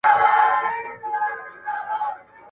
حاکمان نه غواړي چي دا کړنې هېرې کړي.